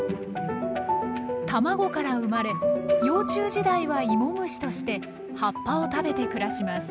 卵から生まれ幼虫時代はイモムシとして葉っぱを食べて暮らします。